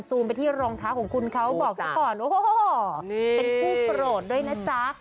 ซูมไปที่รองท้าของคุณเขาบอกก่อนโอ้โหนี่เป็นผู้โปรดด้วยน่ะจ๊ะ